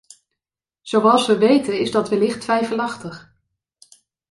Zoals we weten is dat wellicht twijfelachtig.